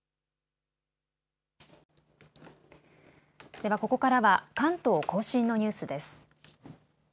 では、ここからは関東甲信のニュースです。